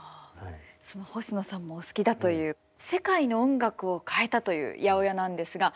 その星野さんもお好きだという世界の音楽を変えたという８０８なんですがまずはその魅力をまとめました。